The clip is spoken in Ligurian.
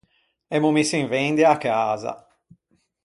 Emmo misso in vendia a casa.